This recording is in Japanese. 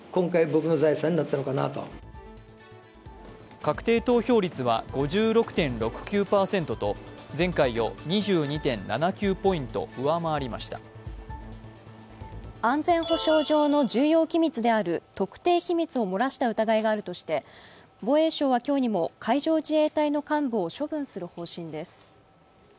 確定投票率は５６．６９％と前回を２２．７９ポイント上回りました安全保障上の重要機密である特定秘密を漏らした疑いがあるとして防衛省は今日にも海上自衛隊の幹部を処分する方針です。